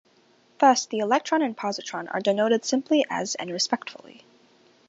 Thus, the electron and positron are denoted simply as and respectively.